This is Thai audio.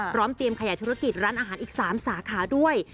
เตรียมขยายธุรกิจร้านอาหารอีก๓สาขาด้วย